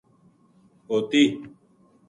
ہوتی